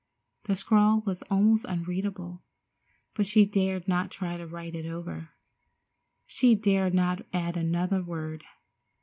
The scrawl was almost unreadable, but she dared not try to write it over. She dared not add another word.